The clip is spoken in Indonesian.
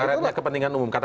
kata kata kepentingan umum tadi